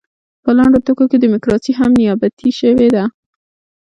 په لنډو ټکو کې ډیموکراسي هم نیابتي شوې ده.